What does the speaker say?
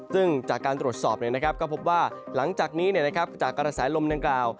ซึ่งจากการตรวจสอบก็พบว่าหลังจากนี้จากกระแสลมดังกล่าว